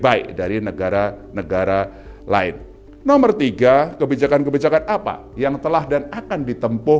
baik dari negara negara lain nomor tiga kebijakan kebijakan apa yang telah dan akan ditempuh